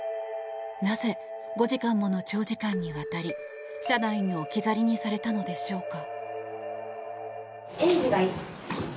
なぜ、５時間もの長時間にわたり車内に置き去りにされたのでしょうか。